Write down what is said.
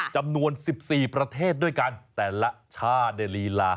จำนวน๑๔ประเทศด้วยกันแต่ละชาติในลีลา